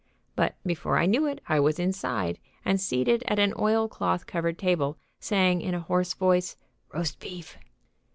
But before I knew it I was inside and seated at an oilcloth covered table, saying, in a hoarse voice, "Roast beef!"